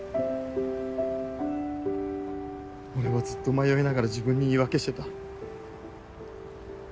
俺はずっと迷いながら自分に言い訳してた。